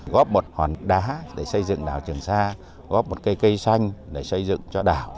góp một hòn đá để xây dựng đảo trường sa góp một cây cây xanh để xây dựng cho đảo